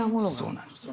そうなんです。